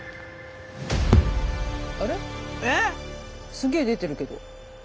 すげえ出てるけど。